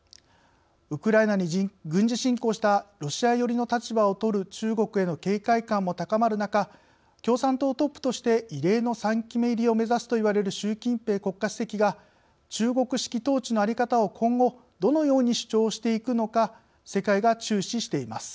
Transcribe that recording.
ウクライナに軍事侵攻したロシア寄りの立場をとる中国への警戒感も高まる中共産党トップとして異例の３期目入りを目指すといわれる習近平国家主席が中国式統治の在り方を今後どのように主張していくのか世界が注視しています。